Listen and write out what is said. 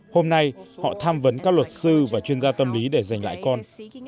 hôm nay họ tham vấn các luật sư và chuyên gia tâm lý để giành lại con